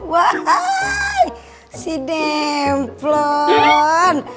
wah si demplon